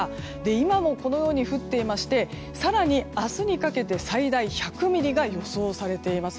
今も、このように降っていまして更に、明日にかけて最大１００ミリが予想されています。